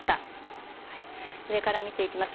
上から見ていきます。